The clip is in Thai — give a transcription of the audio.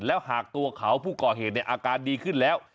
แล้วหากตัวเขาผู้ก่อเหตุในอาการดีขึ้นแล้ว